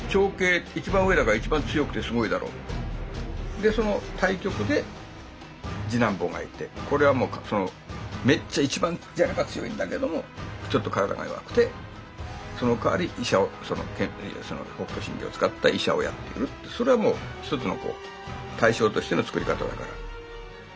でその対極で次男坊がいてこれはもうめっちゃ一番やれば強いんだけどもちょっと体が弱くてそのかわり医者を北斗神拳を使った医者をやってるってそれはもう一つの対照としての作り方だから。